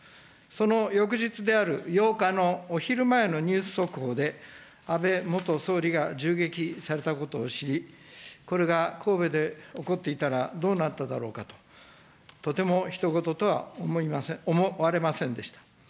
その翌日である８日のお昼前のニュース速報で、安倍元総理が銃撃されたことを知り、これが神戸で起こっていたらどうなっただろうかと、とてもひと事とは思われませんでした。